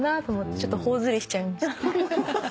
ちょっと頬ずりしちゃいました。